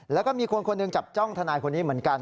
แล้วก็มีคนคนหนึ่งจับจ้องทนายคนนี้เหมือนกัน